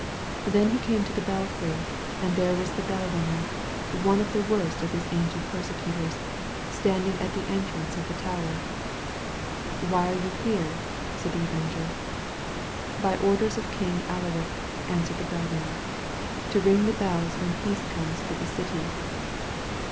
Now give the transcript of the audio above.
Then he came to the belfiy, and there was the bell ringer» one of the worst of his ancient perse* cutors, standing at the entrance of the tower. Why are you here?" said the Avenger. ^*By the orders of King Alaric/' answered the bell ringer, *'to ring the bells when peace comes to the city."